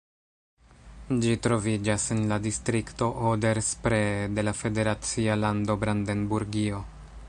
Ĝi troviĝas en la distrikto Oder-Spree de la federacia lando Brandenburgio.